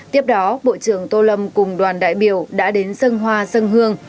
tiếp đó bộ trưởng tô lâm cùng đoàn đại biểu đã đến sơn hoa sơn hương